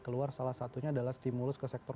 keluar salah satunya adalah stimulus ke sektor